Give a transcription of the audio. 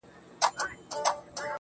ماښام دې وي، خمار دې وي، یوه خوږه خبره